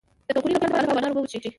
د کمخونۍ لپاره د پالک او انار اوبه وڅښئ